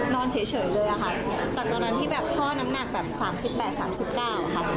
เฉยเลยค่ะจากตอนนั้นที่แบบพ่อน้ำหนักแบบ๓๘๓๙ค่ะ